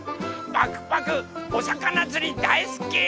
パクパクおさかなつりだいすき！